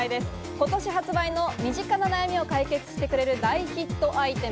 今年発売の身近な悩みを解決してくれる大ヒットアイテム。